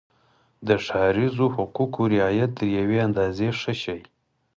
د ښاریزو حقوقو رعایت تر یوې اندازې ښه شي.